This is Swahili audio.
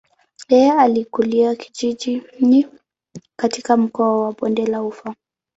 Yeye alikulia kijijini katika mkoa wa bonde la ufa.